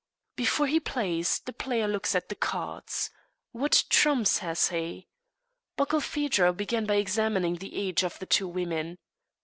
Before he plays the player looks at the cards. What trumps has he? Barkilphedro began by examining the age of the two women.